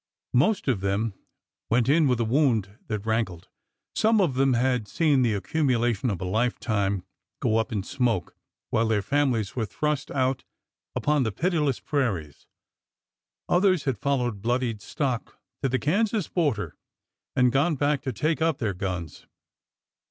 Most of them went in with a wound that rankled. Some of them had seen the accumulation of a lifetime go up in smoke, while their families were thrust out upon the pitiless prairies. Others had followed blooded stock to the Kansas border, and gone back to take up their guns.